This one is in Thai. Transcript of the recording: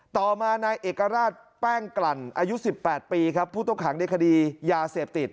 ต่อมานายเอกราชแป้งกลั่นอายุ๑๘ปีครับผู้ต้องขังในคดียาเสพติด